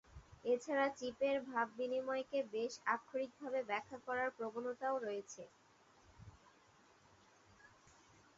এছাড়া, চিপের ভাববিনিময়কে বেশ আক্ষরিকভাবে ব্যাখ্যা করার প্রবণতাও রয়েছে।